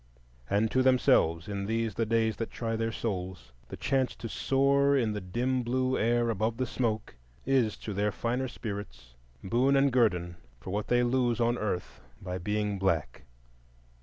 And to themselves in these the days that try their souls, the chance to soar in the dim blue air above the smoke is to their finer spirits boon and guerdon for what they lose on earth by being black.